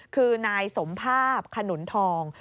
คือนายสมภาพขนุนทอง